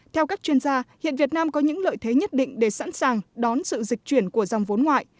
theo các chuyên gia hiện việt nam có những lợi thế nhất định để sẵn sàng đón sự dịch chuyển của dòng vốn ngoại